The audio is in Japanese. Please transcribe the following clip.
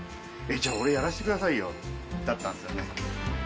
じゃあ、やらせてくださいよ、だったんですよね。